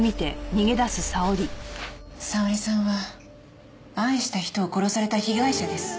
沙織さんは愛した人を殺された被害者です。